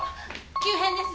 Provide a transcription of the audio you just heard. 急変です。